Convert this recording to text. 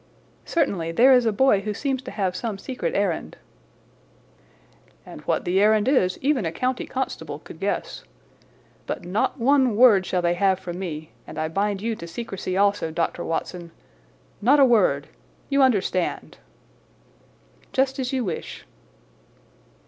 "Certainly, there is a boy who seems to have some secret errand." "And what the errand is even a county constable could guess. But not one word shall they have from me, and I bind you to secrecy also, Dr. Watson. Not a word! You understand!" "Just as you wish."